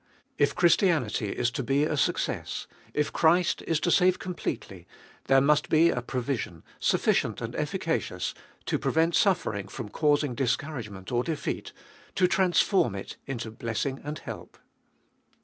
If Christianity is to be a success, if Christ is to save completely, there must be a provision, sufficient and efficacious, to prevent suffering from causing discouragement or defeat, to transform it into blessing and help.